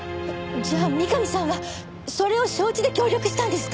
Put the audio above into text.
じゃあ三上さんはそれを承知で協力したんですか？